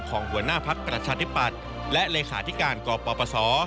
หัวหน้าพักประชาธิปัตย์และเลขาธิการกปศ